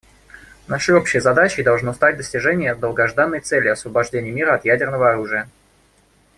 Нашей общей задачей должно стать достижение долгожданной цели освобождения мира от ядерного оружия.